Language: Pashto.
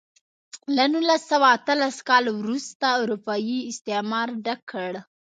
له نولس سوه اتلس کال وروسته اروپايي استعمار ډک کړ.